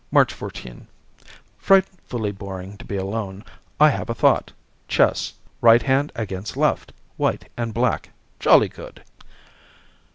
March 14 Frightfully boring to be alone. I have a thought. Chess. Right hand against left. White and black. Jolly good.